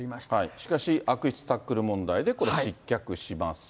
しかし悪質タックル問題でこれ、失脚します。